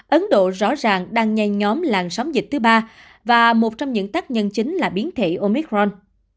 ấn độ rõ ràng đang nhen nhóm làn sóng dịch thứ ba và một trong những tác nhân chính là biến thể omicron